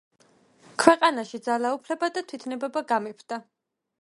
ქვეყანაში ძალაუფლება და თვითნებობა გამეფდა.